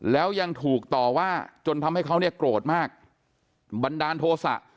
แล้วยังถูกต่อว่าจนทำให้เขาเนี่ยโกรธมากบันดาลโทษะ